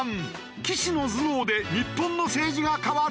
棋士の頭脳で日本の政治が変わる！？